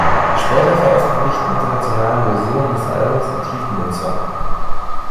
Die später veröffentlichten internationalen Versionen des Albums enthielten den Song.